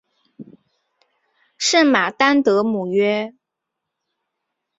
圣马丹德姆约。